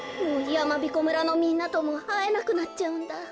もうやまびこ村のみんなともあえなくなっちゃうんだ。